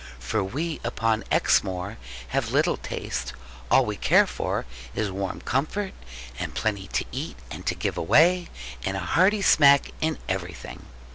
For we upon Exmoor have little taste; all we care for is warm comfort, and plenty to eat and to give away, and a hearty smack in everything.